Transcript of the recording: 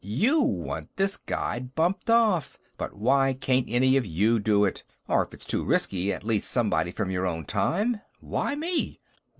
"You want this Guide bumped off. But why can't any of you do it? Or, if it's too risky, at least somebody from your own time? Why me?"